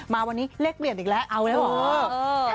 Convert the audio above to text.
มาวันนี้เลขเปลี่ยนอีกแล้วเอาแล้วเหรอ